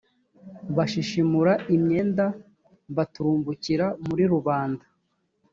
bashishimura imyenda baturumbukira muri rubanda